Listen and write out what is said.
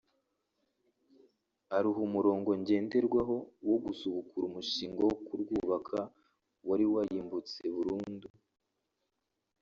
aruha umurongo ngenderwaho wo gusubukura umushinga wo kurwubaka wari wararimbutse burundu